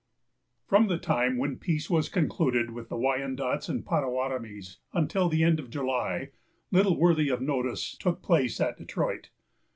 From the time when peace was concluded with the Wyandots and Pottawattamies until the end of July, little worthy of notice took place at Detroit.